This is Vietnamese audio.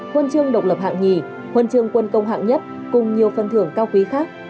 huân chương độc lập hạng nhì huân chương quân công hạng nhất cùng nhiều phần thưởng cao quý khác